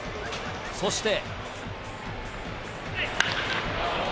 そして。